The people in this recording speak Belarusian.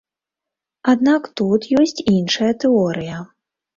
Аднак тут ёсць іншыя тэорыя.